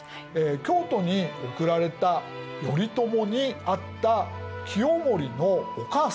京都に送られた頼朝に会った清盛のお母さん